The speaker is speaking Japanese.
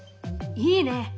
いいね！